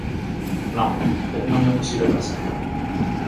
Non, pero non é posible a transacción.